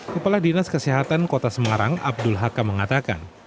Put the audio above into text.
kepala dinas kesehatan kota semarang abdul hakam mengatakan